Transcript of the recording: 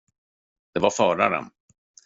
Det var föraren!